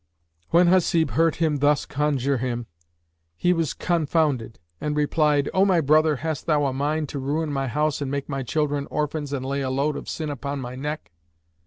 When Hasib heard him thus conjure him, he was confounded and replied, "O my brother, hast thou a mind to ruin my house and make my children orphans and lay a load of sin upon my neck?"